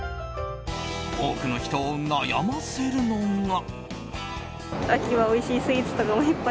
多くの人を悩ませるのが。